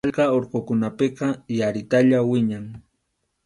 Sallqa urqukunapiqa yaritalla wiñan.